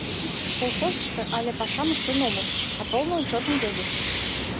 Колхозышто але пашам ыштен омыл, а полный отчётым йодыт.